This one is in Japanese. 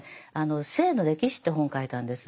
「性の歴史」って本を書いたんです。